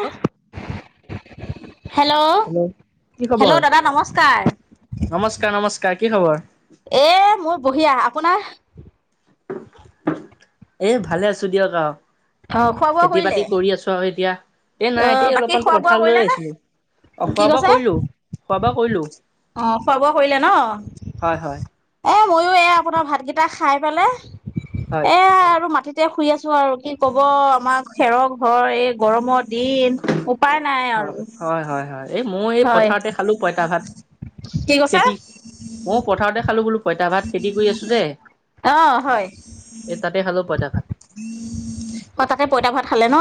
ত- hello, কি hello খবৰ? দাদা নমস্কাৰ নমস্কাৰ, নমস্কাৰ, কি খবৰ? এ মোৰ বঢ়িয়া। আপোনাৰ? এ ভালেই আছো দিয়ক আৰু। অ খোৱা বোৱা খেতি কৰিলে বাতি কৰি আছো হে এতিয়া? এই অ নাই এতিয়া বাকী অলপমান খোৱা বোৱা পথাৰলৈ কৰিলে নে আহিছিলোঁ। অঁ কি খোৱা-বোৱা কৈছে কৰিলো, খোৱা-বোৱা কৰিলোঁ। অ খোৱা বোৱা কৰিলে ন হয় হয় এ মইয়ো এই ভাতকেইটা খাই পেলাই হয় এয়া আৰু মাটিত এতিয়া শুই আছো আৰু। কি কব, আমাৰ খেৰৰ ঘৰ এই গৰমত। দিম, উপায় নাই আৰু। হয় হয় হয়। এই মই এই হয় পথাৰতে খালো পঁইতা ভাত। কি কৈছে খেতি মইয়ো পথাৰতে খালো বোলো পঁইতা ভাত খেতি কৰি আছো যে অ হয়। এই তাতে খালো পইটা ভাত। অ তাকে পইতা ভাত খালে ন।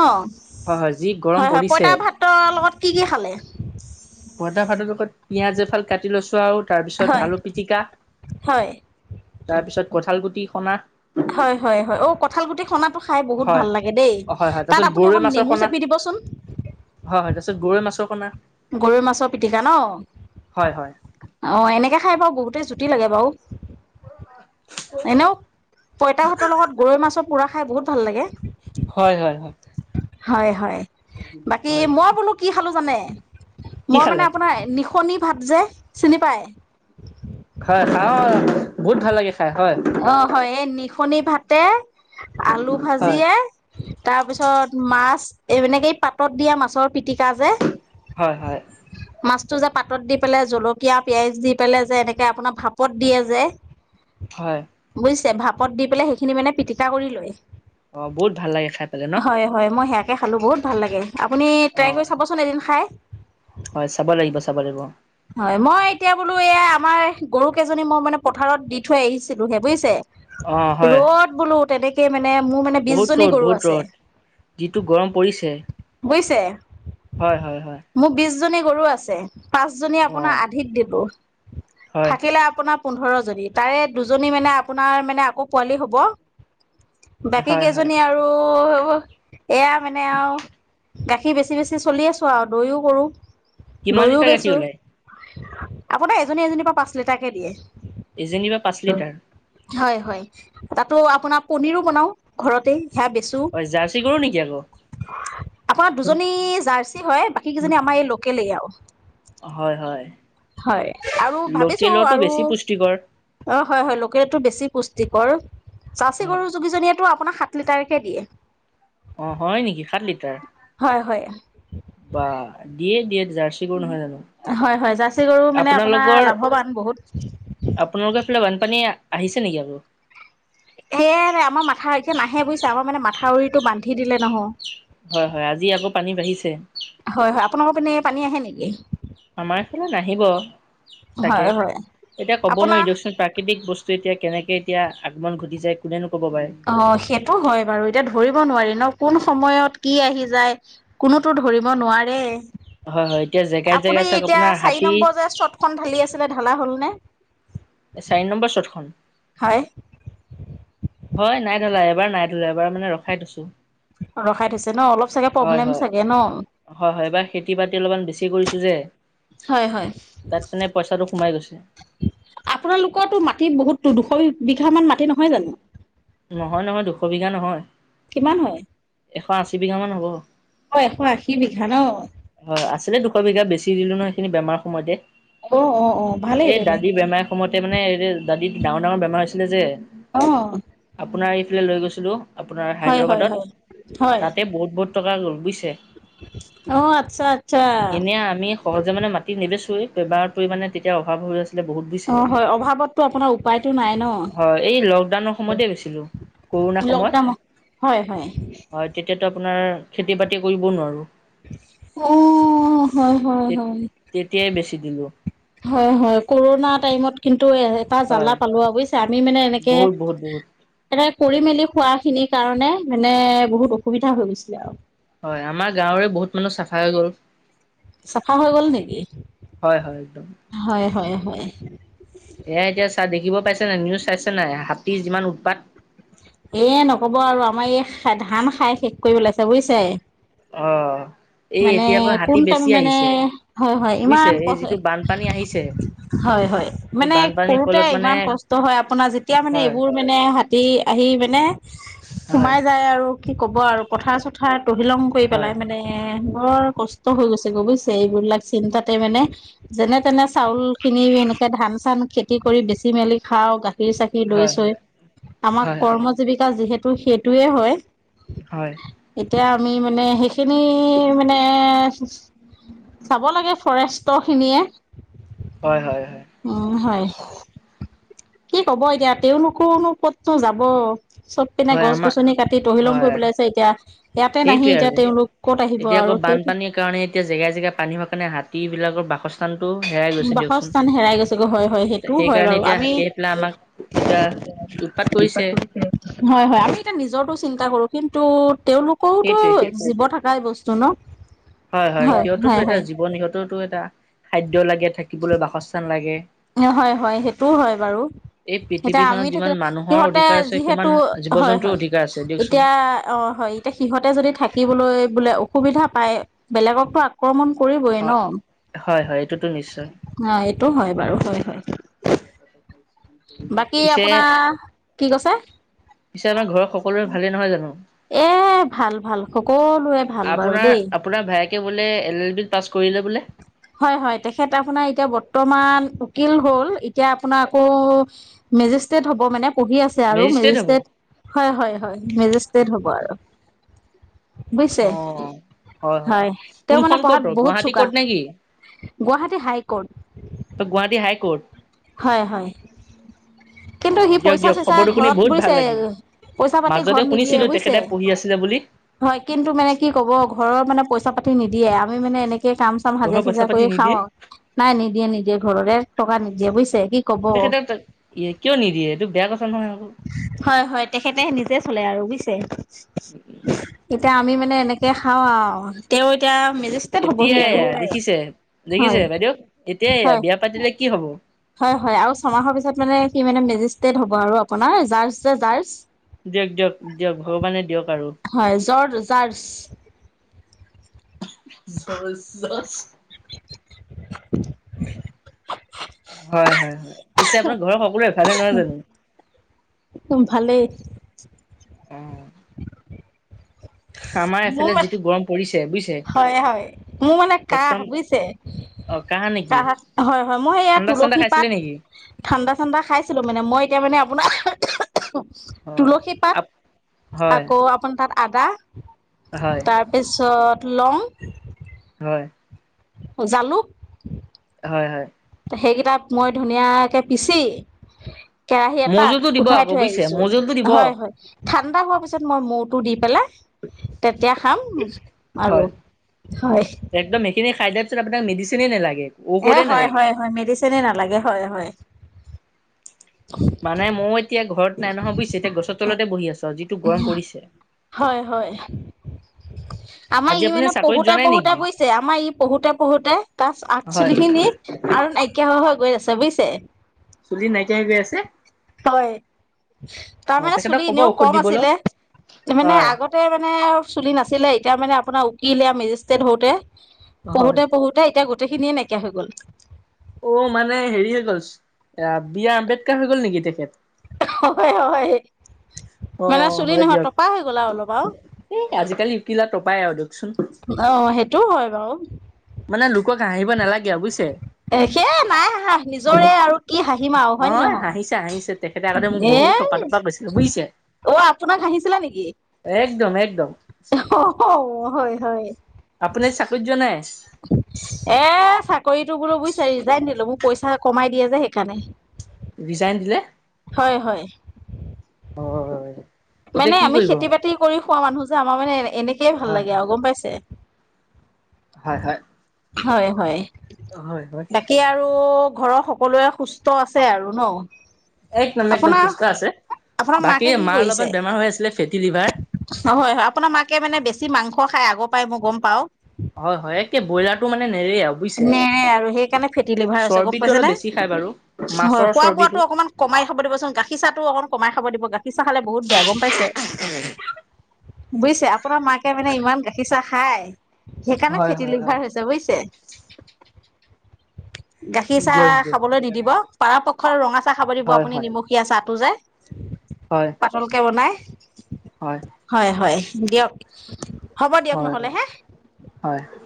হয় হয় যি গৰম হয়, হয়, পৰিছে পঁইতা ভাতৰ লগত, কি-কি খালে? পইটা ভাতৰ লগত পিঁয়াজ এফাল কাটি লৈছোঁ আৰু। তাৰপিছত হয় আলু পিটিকা হয় তাৰপিছত কঠাল গুটি সনা। হয়, হয়, হয়। অ', কঠাল গুটি শুনাত টো খাই বহুত হয় ভাল লাগে দেই হয় হয় তাত তাৰপিছত আপুনি গৰৈ অকন মাছৰ নেমু কণা চেপি দিবচোন। হয়, হয়। তাৰপিছত গৰৈ মাছৰ অকমান গৰৈ মাছৰ পিটিকা ন হয় হয় অঁ এনেকে খাই বাৰু বহুতেই জুতি লাগে বাৰু। এনেও পঁইতা ভাতৰ লগত গৰৈ মাছৰ পোৰা খাই বহুত ভাল লাগে। হয়, হয়, হয়। হয় হয়। বাকী হয় হয় মই বোলো কি খালো জানে, কি মই মানে খালে আপোনাৰ নিশনি ভাত যে চিনি পায়। হয় হয়, বহুত ভাল লাগেখাই হয়। অ হয় এই নিশনি ভাতে, আলু হয় ভাজিয়ে তাৰ পিছত মাছ এনেকে পাতত দিয়া মাছৰ পিটিকা যে। হয়, হয়। মাছটো যে পাতত দি পেলাই জলকীয়া পিয়াজ দি পেলাই যে এনেকে আপোনাৰ ভাপত দিয়ে যে, হয়। বুজিছে ভাপত দি পেলাই সেইখিনি মানে পিটিকা কৰি লয়। অ বহুত ভাল লাগে খাই পেলাই ন। হয় হয় মই সেয়াকে খালো, বহুত ভাল লাগে আপুনি অ ট্ৰাই কৰি চাবচোন এদিন খাই। হয়, চাব লাগিব, চাব লাগিব। হয়, মই এতিয়া বোলো এয়া আমাৰ গৰু কেইজনী মই মানে পথাৰত দি থৈ আহিছো। [unintelligible] বুইছে। অ হয় ৰ'দ বোলো তেনেক কে মানে, মোৰ মানে, বহুত বিশজনী ৰ'দ গৰু বহুত আছে। ৰ'দ যিটো গৰম পৰিছে বুইছে। হয়, হয়, হয়। মোৰ বিশ জনী গৰু আছে। পাঁচজনী অ আপোনাৰ আধিক দিলো। হয় থাকিলে আপোনাৰ পোন্ধৰজনী। তাৰে দুজনী মানে, আপোনাৰ মানে আকৌ পোৱালি হ'ব। বাকী হয় হয় কেইজনী আৰু। এয়া মানে আৰু গাখীৰ বেছি বেছি চলি আছোঁ আৰু। দৈও কৰোঁ। কিমান দৈও লিটাৰ গাখীৰ বেচোঁ। ওলাই আপোনাৰ এজনী এজনীৰ পৰা পাঁচ লিটাৰ কে দিয়ে। এজনীৰপা পাঁচ লিটাৰ! হয়, হয়। তাতো আপোনাৰ পনীৰো বনাওঁ। ঘৰতে। সেয়াও বেছো হয়। জাৰ্চি গৰু নেকি আকৌ! আপোনাৰ দুজনী জাৰ্চি হয়। বাকী কেইজনী আমাৰ এই লোকেলেই আৰু। হয়, হয়। হয়। আৰু ভাবিছো লোকেলতো আৰু বেছি পুষ্টিকৰ অ' হয়, হয়। লোকেলটো বেছি পুষ্টিকৰ। অ জাৰ্চী গৰু যোগি জনীয়েটো আপোনাৰ সাত লিটাৰকে দিয়ে। অ', হয় নেকি! সাত লিটাৰ। হয়, হয়। বা! দিয়ে, দিয়ে যাৰ্চ। হয় হয়। জাৰ্চি গৰু মানে আপোনাৰ আপোনালোকৰ লাভৱান বহুত। আপোনালোকৰ ফালে বানপানী আহিছে নেকি আকৌ? সেয়া। আমাৰ মাথা এতিয়া নাহে বুইছা। আমাৰ মানে মাথাউৰিতটো বান্ধি দিলে নহয়। হয় হয়। আজি আকৌ পানী বাঢ়িছে। হয় হয়। আপোনালোকৰ পিনে পানী আহে নেকি? আমাৰ এইফালে নাহিব। হয় চাগে। হয় এতিয়া ক'ব আপোনাৰ নোৱাৰি দিয়কচোন। প্ৰাকৃতিক বস্তু এতিয়া কেনেকৈ এতিয়া আগমন ঘটি যায়। কোনেনো ক'ব পাৰে। অ', সেইটো হয় বাৰু এতিয়া ধৰিব নোৱাৰি ন! কোন সময়ত কি আহি যায়। কোনোতো ধৰিব নোৱাৰে। হয় হয় এতিয়া জেগাই আপুনি জেগাই চাওক এতিয়া আপোনাৰ চাৰি হাতী নম্বৰ যে, চত খন ঢালি আছিলে ঢালা হ'লনে? চাৰি নম্বৰ চতখন? হয়। হয় নাই ধলা, এবাৰ নাই ধলা এবাৰ মানে ৰখাই থৈছো। ৰখাই থৈছে ন! অলপ চাগে হয় প্ৰব্লেম হয় চাগে ন? হয়, হয়, এইবাৰ খেতি বাতি অলপমান বেছি কৰিছোঁ যে হয়, হয়। তাত মানে পইচাটো সোমাই গৈছে আপোনালোকৰতো মাটি বহুততো, দুশ বিঘা মান মাটি নহয় জানো? নহয়, নহয় দুশ বিঘা নহয় কিমান হয়? এশ আচী বিঘামান হ'ব। অ' এশ আশী বিঘা ন! হয়, আছিলে দুশ বিঘা, বেছি দিলো নহয় সেইখিনি বেমাৰ সময়তে অ অ অ ভালেই এই তেনে দাদী বেমাৰ সময়তে মানে এই যে দাদিৰ ডাঙৰ ডাঙৰ বেমাৰ হৈছিলে যে অ' আপোনাৰ এইফালে লৈ গৈছিলোঁ। আপোনাৰ হয় হয় হয় হায়দৰাবাদত। হয় তাতে বহুত বহুত টকা গ'ল বুজিছে? অ' আচ্ছা, আচ্ছা। এনেই আমি সহজে মানে মাটি নেবেছোৱেই, বেমাৰৰ পৰি মানে তেতিয়া অভাৱ হৈ আছিলে বহুত। অ দিছে, হয় অভাৱততো আপোনাৰ উপায়তো নাই ন হয় এই লকডাউনৰ সময়তে গৈছিলো। কৰুণা সময়ত। লকডাউন হয় হয়। হয়, তেতিয়াতো অপোনাৰ খেতি বাতি কৰিব নোৱাৰোঁ। অ' হয় হয় হয়। তেতিয়াই বেচি দিলোঁ। হয় হয়, কৰোণা টাইমত কিন্তু এটা হয় জ্বালা পালোৱে বুইছে। আমি মানে এনেকে। বহুত বহুত বহুত এনে কৰি মেলি খোৱাখিনিৰ কাৰণে বহুত অসুবিধা হৈ গৈছিলে আৰু। হয়, আমাৰ গাঁৱৰে বহুত মানুহ চাফা হৈ গ'ল। চাফা হৈ গ'ল নেকি? হয় হয় একদম হয় হয় হয়। এ, এতিয়া চা দেখিব পাইছে নাই, নিউজ চাইছে নাই, হাতী যিমান উৎপাত। এ, নক'ব আৰু আমাৰ এই ধান খাই শেষ কৰি পেলাইছে বুজিছে? অ'। এই মানে এতিয়াৰপৰা কোন হাতী টাইম বেছি মানে আহিছে, হয় হয় বুজিছে, এই ইমান যিটো বানপানী আহিছে। হয় হয়, এই মানে বানপানীৰ কৰোঁতে ফলত মানে ইমান কষ্ট হয় আপোনাৰ যেতিয়া মানে হয় এইবোৰ মানে হা, তি আহি মানে হয় সোমাই যায় আৰু। কি ক'ব আৰু, পথাৰ চথাৰ তহিলং কৰি হয় পেলাই মানে। এ, বৰ কষ্ট হৈ গৈছে গৈ বুজিছে, এইবিলাক চিন্তাতে মানে যেনে তেনে, চাউলখিনি এনেকৈ ধান চান খেতি কৰি বেচি মেলি খাওঁ গা, খীৰ চাকি, দৈ হয় চৈ, হয় আমাৰ হয় হয় কৰ্ম জীৱিকা যিহেতু সেইটোৱে হয়। হয়। এতিয়া আমি মানে সেইখিনি মানে, চাব লাগে ফৰেষ্টৰখিনিয়ে। হয় হয় হয়। উম, হয়। কি ক'ব এতিয়া, তেওঁনুকোনো ক'তনো যাব। চব পিনে হয় গছ আমাৰ গছনি কাটি তহিলং হয় কৰি পেলাইছে এতিয়া। ইয়াতে নাহি সেইটোৱে এতিয়া আৰু তেওঁলোক ক'ত আহিব এতিয়া আৰু আকৌ সেইটো, বানপানীৰ কাৰণে এতিয়া জেগাই জেগাই পানী হোৱা কাৰণে হাতীবিলাকৰ বাসস্থা থানটো হেৰাই গৈছে দিয়কচোন। বাসস্থান হেৰাই গৈছেগৈ হয় হয় সেইটোও হয় সেইকাৰণে বাৰু এতিয়া আমি হাতী আহি পেলাই আমাক, এতিয়া উৎপাত কৰিছে। হয় হয়, আমি এতিয়া নিজৰটো চিন্তা কৰোঁ কিন্তু তেওঁলোক, কওটো সেইটোৱে সেইটো জীৱ থাকাই বস্তু ন'? হয় হয়, সিহঁততো হয় এটা হয় জীৱন সিহঁতৰো এটা খাদ্য লাগে থাকিবলৈ, বাসস্থান লাগে। হয় হয়, সেইটোও হয় বাৰু। এই এতিয়া আমি পৃথিৱীখনত যিমান থাকিলে, মানুহৰ সিহঁতে অধিকাৰ আছে যিহেতু, সিমান জীৱ হয় জন্তুৰ হয়, অধিকাৰ আছে দিয়কচোন। এতিয়া অ' হয়। তে সিহঁতে যদি থাকিবলৈ অসুবিধা পায় বেলেগকতো আক আক্ৰমণ কৰিবৈ ন'? হয় হয় এইটোতো নিশ্চয় এইটো হয় বাৰু, হয় হয়। [inaudible] বাকী পিছে আপোনাৰ, কি কৈছে? পিছে নহয় ঘৰৰ সকলোৰে ভালেই নহয় জানো? এ, ভাল ভাল, সকলোৱে ভাল বাৰু আপোনাৰ দেই। আপোনাৰ ভায়েকে বোলে এল এল বিত পাছ কৰিলে বোলে? হয় হয়, তেখেত আপোনাৰ এতিয়া বৰ্তমান উকিল হ'ল, এতিয়া আপোনাৰ আকৌ মেজিষ্ট্ৰেট হ'ব মানে পঢ়ি আছে আৰু মেজিষ্ট্ৰেট হ'ব মেজষ্ট্ৰেট, হয় হয় হয়, মেজিষ্ট্ৰেট হ'ব আৰু। বুজিছে, অ হয় হয় তেওঁ মানে পঢ়াত বহুত চোকা। নেকি Guwahati high court Guwahati high court হয়, হয়। অ কিন্তু সি দিয়ক পইচা দিয়ক -চইচা খবৰটো শুনি ঘৰত বহুত ভাল বুইছে। লাগিল পইচা পাতি মাজতে ঘৰত নিদিয়ে শুনিছিলো বুইছে। তেখেতে পঢ়ি আছিলে বুলি হয়, কিন্তু মানে কি কব ঘৰৰ মানে পইচা পাতি নিদিয়ে আমি মানে এনেকে কাম। কাম হাজিৰা ঘৰৰ পইচা চাজিৰা পাতি কৰি খাওঁ নিদিয়ে আৰু, নাই নিদিয়ে নিদিয়ে ঘৰলে টকা নিদিয়ে বুজিছে কি। ক'ব তেখেতৰ কিয় নিদিয়ে এইটো বেয়া কথা নহয় আকৌ। হয়, হয়, তেখেতে নিজে চলে আৰু বুইছে। এতিয়া অ আমি মানে এনেকে খাওঁ আৰু তেওঁ এতিয়া মেজেষ্টেট হবহি আৰু এয়া দেখিছে দেখিছে হয় বাইদেউ এতিয়া এয়া হয় বিয়া পাতিলে কি হ'ব। হয়, হয়, আৰু ছমাহৰ পিছত মানে সি মানে মেজিষ্ট্ৰেট হ'ব আৰু আপোনাৰ জাৰজ যে জাৰজ। দিয়ক দিয়ক দিয়ক ভগবানে দিয়ক আৰু। হয় জ জাৰজ। চ জাৰ্জ। হয়, হয়, হয়, পিছে আপোনাৰ ঘৰৰ সকলোৱে এফালে নহয় জানো। ভালেই। অ। আমাৰ মোৰ এফালে মানে যিটো গৰম পৰিছে বুইজ। হয়, হয়, মোৰ মানে কাহ বুইছে। অ কাহা নেকি কাহ হয়, হয়, মই এ য়া ঠাণ্ডা চাণ্ডা তুলসী পাত। খাইছিলে নেকি? ঠাণ্ডা চাণ্ডা খাইছিলো মানে মই এতিয়া মানে আপোনাৰ। হয়। তুলসী পাত আপ হয় আকৌ আপোনাৰ তাত আদা। হয়। তাৰপিছত লং। হয়। জালুক। হয়, হয়। সেইগেইটা মই ধুনীয়াকে পিছি। কেৰাহী মৌজুলটো এটাত দিব উঠাই আকৌ থৈ বুজিছে আহিছোঁ। মৌজুলটো দিব হয়, হয়, ঠাণ্ডা হোৱা পিছত মই মোটো দি পেলাই। তেতিয়া খাম আৰু হয় হয়। একদম সেইখিনি খাই দিয়া পিছত আপোনাক মেডিচেনেই নালাগে। এ ঔষধে হয়, নালাগে। হয়, হয়, মেডিচিনে নালাগে হয়, হয়। উ। মানে মো এতিয়া ঘৰত। নাই নহয় বুজিছে এতিয়া গছৰ তলতে বহি আছ যিটো গৰম পৰিছে। হয়, হয়। [inaudible] আমাৰ ই আপুনি মানে চাকৰিত যোৱা পঢ়োতে নাই পঢ়োতে নেকি? বুজিছে আমাৰ ই পঢ়োতে পঢ়োতে তাৰ হয় আগচুলি খিনি। আৰু নাইকিয়া হৈ হৈ গৈ আছে বুইছে। চুলি নাইকিয়া হৈ গৈ আছে। হয়, অ তাৰমানে তেখেতক চুলি ক'ব এনেও ঔষধ কম দিবলৈ আছিলে মানে হয় আগত তে মানে আৰু চুলি নাছিলে এতিয়া মানে আপোনাৰ উকিল এয়া মেজিষ্ট্ৰেট হওঁতে হয় পঢ়োতে পঢ়োতে তাৰ এতিয়া গোইখিনিয়ে নাইকিয়া হৈ গ'ল। অ' মানে হেৰি হৈ গ'ল আ বি আৰ আম্বেদকাৰ হৈ গল নেকি তেখেত। হয়, হয়। [unintelligible] মানে চুলি হয় নহয় দিয়ক টপা হৈ গ'ল আউ অলপ আউ এ আজিকালি উকিল আ টপাই আৰু দকচোন। অ সেইটো হয় বাৰু। মানে লোকক হাঁহিব নালাগে আৰু বুইছে। এ সেই নাই হাহাঁ, নিজৰে আৰু কি হাঁহিম আৰু হয় নে নহয়। চা হাহিছে তেখেতে আগতে মোক এ বহুত টপা টপা কৈছে। অ আপোনাক হাঁহিছিলে নেকি? একদম একদম। [unintelligible] হয়, হয়। আপুনি চাকৰিত যোৱা নাই? এ চাকৰিটো বোলো বুজিছা ৰিজাইন দিলো মোক পইচা কমাই দিয়ে যে সেইকাৰণে। ৰিজাইন দিলে, হয় হয় হয়। এতিয়া মানে কি আমি কৰিব খেতি-বাতি কৰি খোৱা মানুহ যে, আমাৰ মানে, এনেকৈয়ে ভাল হয় লাগে হয় আৰু গম পাইছে? হয় হয় হয়, হয়। হয় হয় বাকী আৰু আৰু ঘৰৰ সকলোৱে সুস্থ আছে আৰু ন। একদম একদম আপোনাৰ সুস্থ আছে, আপোনাৰ বাকী মাকে মাৰ অলপমান বেমাৰ হৈ আছিলে ফেটি লিভাৰ। নহয়হে আপোনাৰ মাকে মানে বেছি মাংস খায়, আগৰ পৰাই মই গম পাওঁ। হয় হয় একে ব্ৰইলাৰটো মানে নেৰেই আও। মানে আৰু সেইকাৰণে ফেটি লিভাৰ আছে গম চৰ্বিটো পাইছে অলপ নে, বেছি খাই বাৰু হয় মাছৰ খোৱা চৰ্বিটো বোৱটো অকমান কমাই খাব দিবচোন গাখীৰ চাহটো অকণ কমাই খাব দিব গাখীৰ চাহ খালে বহুত বেয়া গম পাইছে। বুজিছে আপোনাৰ মাকে মানে ইমান গাখীৰ চাহ খাই, সেইকাৰণে হয় ফেটি হয় হয় লিভাৰ হৈছে বুজিছে। গাখীৰ দিয়ক চাহ দিয়ক খাবলৈ নিদিব পাৰাপক্ষ ৰঙা চাহ খাব দিব হয় আপুনি হয় নিমখ এতিয়া চাহটো যে হয়। পাতলকে বনাই। হয়। হয়, হয় দিয়ক। হ'ব দিয়ক হয় নহ'লে হে হয় হয়।